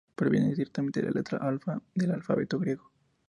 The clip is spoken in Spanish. Proviene directamente de la letra alfa del alfabeto griego.